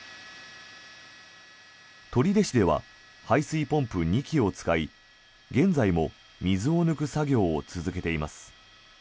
取手市では排水ポンプ２機を使い現在も水を抜く作業を続けています。